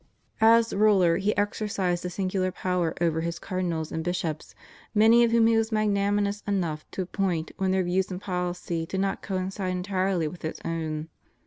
As ruler, he exercised a singular power over his cardinals and bishops, many of whom he was magnanimous enough to appoint when their views and policy did not coincide entirely with his own.